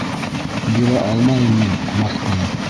Бирә алмайым мин ҡомартҡыны!